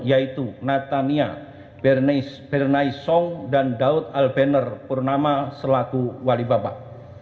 yaitu natania bernaisong dan daud alberner purnama selaku wali bapak